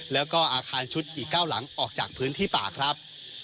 แล้วก็อาคารชุดอีก๙หลังออกจากพื้นที่ป่าครับ